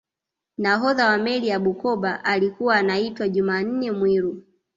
nahodha wa meli ya bukoba alikuwa anaitwa jumanne mwiru